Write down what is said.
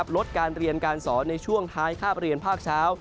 ลดการเรียนการสอนในช่วงท้ายคาบเรียนภาคเช้า